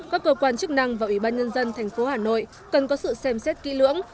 các cơ quan chức năng và ủy ban nhân dân thành phố hà nội cần có sự xem xét kỹ lưỡng